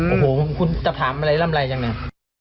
โอ้โหคุณจะถามอะไรร่ำไรจังเนี่ย